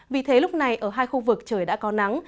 vì thế lúc này ở hai khu vực trời đã có nắng